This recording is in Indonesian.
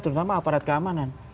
terutama aparat keamanan